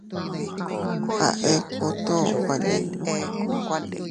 A ekutu kuaninu.